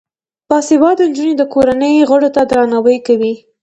باسواده نجونې د کورنۍ غړو ته درناوی کوي.